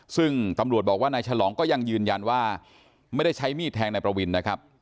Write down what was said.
ซึ่งตำรวจบอกว่านายฉลองก็ยังยืนยันว่าไม่ได้ใช้มีดแทงนายประวินนะครับ